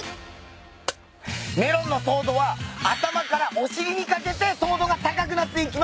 メロンの糖度は頭からお尻にかけて糖度が高くなっていきます。